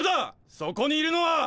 そこにいるのは！